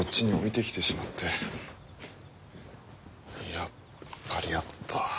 やっぱりあった。